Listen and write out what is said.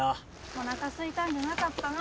おなかすいたんじゃなかったの？